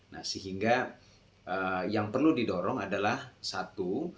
nah sehingga yang perlu didorong adalah satu